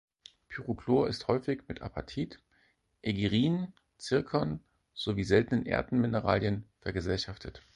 Pyrochlor ist häufig mit Apatit, Aegirin, Zirkon sowie Seltenen-Erden-Mineralen vergesellschaftet.